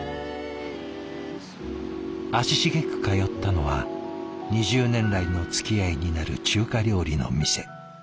足しげく通ったのは２０年来のつきあいになる中華料理の店。